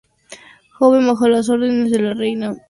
Joven bajo a las órdenes de la Reina María.